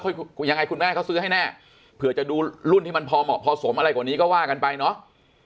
ยังไงคุณแม่เขาซื้อให้แน่เผื่อจะดูรุ่นที่มันพอเหมาะพอสมอะไรกว่านี้ก็ว่ากันไปเนาะ